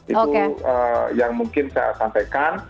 itu yang mungkin saya sampaikan